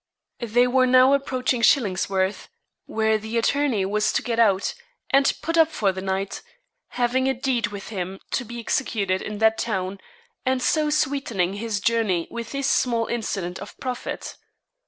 They were now approaching Shillingsworth, where the attorney was to get out, and put up for the night, having a deed with him to be executed in that town, and so sweetening his journey with this small incident of profit.